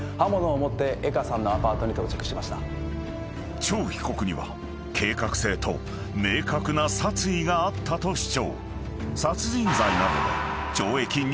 ［張被告には計画性と明確な殺意があったと主張］